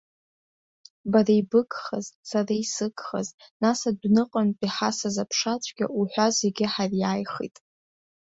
Бара ибыгхаз, сара исыгхаз, нас адәныҟантә иҳасыз аԥшацәгьа уҳәа зегьы ҳариааихит.